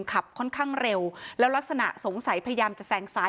ขับค่อนข้างเร็วแล้วลักษณะสงสัยพยายามจะแซงซ้าย